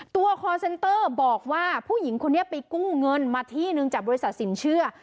คอร์เซนเตอร์บอกว่าผู้หญิงคนนี้ไปกู้เงินมาที่หนึ่งจากบริษัทสินเชื่อ